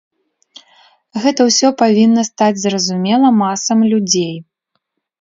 Гэта ўсё павінна стаць зразумела масам людзей.